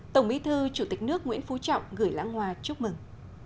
tổng bí thư chủ tịch nước nguyễn phú trọng gửi lãng hoa chúc mừng